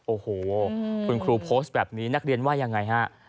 โอ้โหคุณครูโพสต์แบบนี้นักเรียนว่ายังไงฮะ